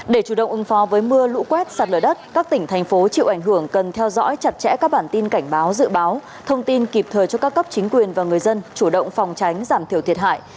để chủ động ứng phó với mưa lũ quét sạt lở đất các tỉnh thành phố chịu ảnh hưởng cần theo dõi chặt chẽ các bản tin cảnh báo dự báo thông tin kịp thời cho các cấp chính quyền và người dân chủ động phòng tránh giảm thiểu thiệt hại